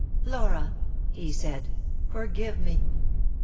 " Flora," he said, " forgive me!"